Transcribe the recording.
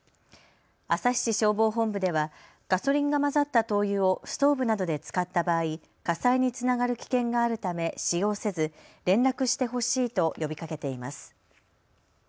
旭市消防本部ではガソリンが混ざった灯油をストーブなどで使った場合、火災につながる危険があるため使用せず連絡してほしいと呼びかけています。